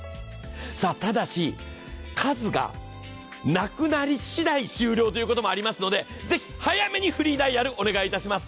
ただし数がなくなりしだい終了となりますので、ぜひ早めにフリーダイヤルお願いします。